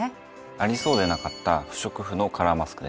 ありそうでなかった不織布のカラーマスクです。